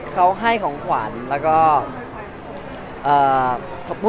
อเรนนี่บ๊วยกับคุณ